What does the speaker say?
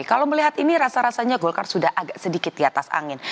kalau melihat ini rasa rasanya golkar sudah agak sedikit di atas angin